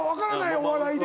お笑いで。